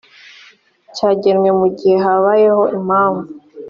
cyagenwe mu gihe habayeho impamvu